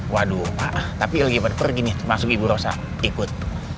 waduh tapi lagi pergi nih termasuk ibu rosa ikut